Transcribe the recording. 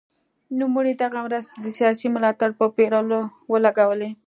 نوموړي دغه مرستې د سیاسي ملاتړ په پېرلو ولګولې.